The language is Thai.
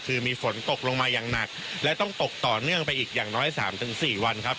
คือมีฝนตกลงมาอย่างหนักและต้องตกต่อเนื่องไปอีกอย่างน้อย๓๔วันครับ